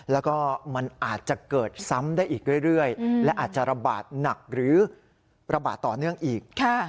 แล้วก็มันอาจจะเกิดซ้ำได้อีกเรื่อยและอาจจะระบาดหนักหรือระบาดต่อเนื่องอีก